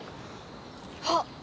あっ！